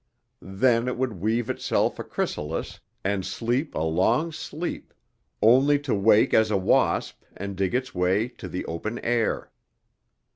Then it would weave itself a chrysalis and sleep a long sleep, only to wake as a wasp and dig its way to the open air.